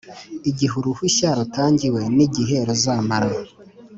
igihe uruhushya rutangiwe n’igihe ruzamara;